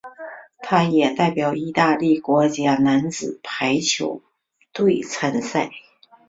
他也代表意大利国家男子排球队参赛。